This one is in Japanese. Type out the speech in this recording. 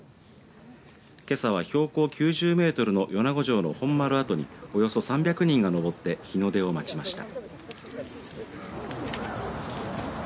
けさは標高９０メートルの米子城跡の本丸跡におよそ３００人が登って日の出を待ちました。